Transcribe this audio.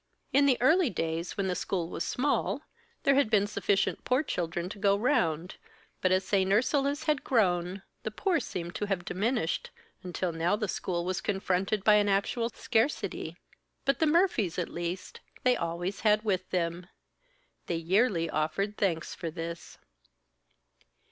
In the early days, when the school was small, there had been sufficient poor children to go round; but as St. Ursula's had grown, the poor seemed to have diminished, until now the school was confronted by an actual scarcity. But the Murphys, at least, they had always with them. They yearly offered thanks for this.